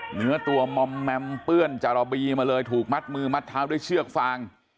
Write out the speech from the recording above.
เหนือตัวมอมแมมเปื้อนจาระบีมาเลยถูกมัดมือมัดเท้าด้วยเชือกฟาง